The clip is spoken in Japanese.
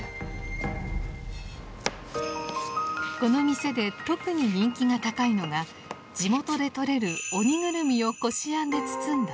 この店で特に人気が高いのが地元で採れるオニグルミをこしあんで包んだ和菓子。